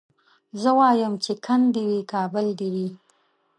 زه وايم چي کند دي وي کابل دي وي